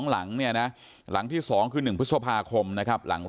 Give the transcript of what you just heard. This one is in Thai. ไม่รู้เขา